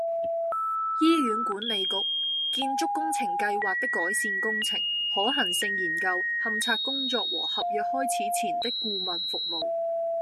醫院管理局－建築工程計劃的改善工程、可行性研究、勘測工作和合約開始前的顧問服務